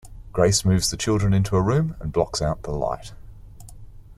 Grace moves the children into a room and blocks out the light.